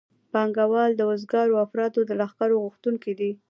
پانګوال د وزګارو افرادو د لښکر غوښتونکي دي